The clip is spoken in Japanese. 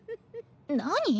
何？